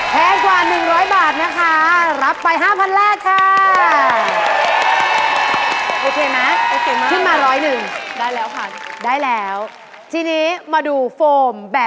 แพงกว่าแพงกว่าแพงกว่าแพงกว่า